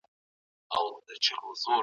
دوی د بازار د اړتیا په اړه پوهاوی درلود.